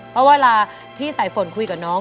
เพราะเวลาพี่สายฝนคุยกับน้อง